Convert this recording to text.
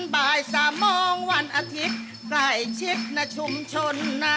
บ่าย๓โมงวันอาทิตย์ใกล้ชิดนะชุมชนนะ